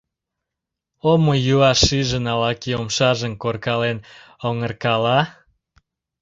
Омыюа шижын — ала-кӧ умшажым коркален оҥыркала.